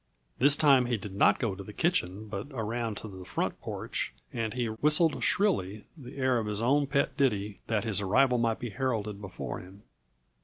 This time he did not go to the kitchen but around to the front porch, and he whistled shrilly the air of his own pet ditty that his arrival might be heralded before him.